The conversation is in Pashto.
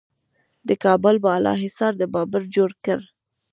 د کابل بالا حصار د بابر جوړ کړ